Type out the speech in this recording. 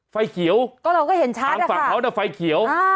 ไฟเขียวทางฝั่งเขาจะแค่ไฟเขียว